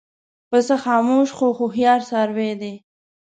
پسه خاموش خو هوښیار څاروی دی.